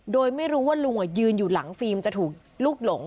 โดยไม่รู้ว่าลุงยืนอยู่หลังฟิล์มจะถูกลูกหลง